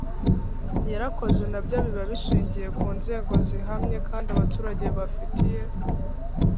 yarakoze na byo biba bishingiye ku nzego zihamye kandi abaturage bafitiye